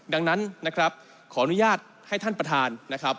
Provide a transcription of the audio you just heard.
ดังนั้นขออนุญาตให้ท่านประธาน